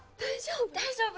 大丈夫？